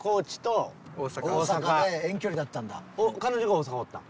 彼女が大阪おった？